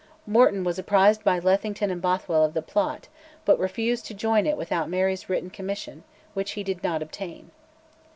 Morton was apprised by Lethington and Bothwell of the plot, but refused to join it without Mary's written commission, which he did not obtain.